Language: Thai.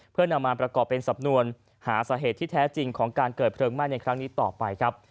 เพื่อนำมาประกอบเป็นสำนวนหาสาเหตุที่แท้จริงของการเกิดเพลิงไหม้ในครั้งนี้ต่อไปครับ